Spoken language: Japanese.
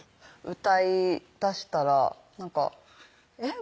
歌いだしたらなんかえっ？